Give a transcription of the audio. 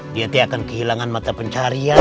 dia tidak akan kehilangan mata pencarian